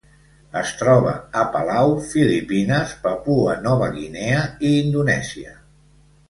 Es troba a Palau, Filipines, Papua Nova Guinea i Indonèsia.